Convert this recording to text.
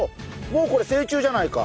もうこれ成虫じゃないか。